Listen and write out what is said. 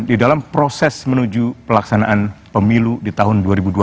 di dalam proses menuju pelaksanaan pemilu di tahun dua ribu dua puluh